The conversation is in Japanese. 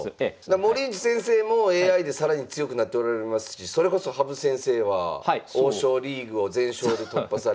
森内先生もＡＩで更に強くなっておられますしそれこそ羽生先生は王将リーグを全勝で突破され。